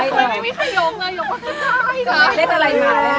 มีใครโยงโยงมาก็ได้